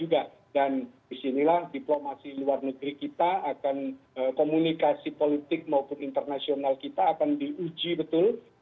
dan disinilah diplomasi luar negeri kita akan komunikasi politik maupun internasional kita akan diuji betul